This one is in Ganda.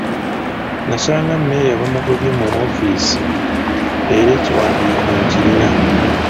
Nasanga mmeeya bamugobye mu woofiisi era ekiwandiiko nkirina.